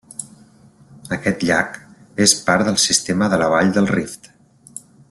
Aquest llac és part del sistema de la Vall del Rift.